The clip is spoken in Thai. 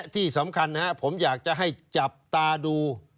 ที่สำคัญนะครับผมอยากจะให้จับตาดู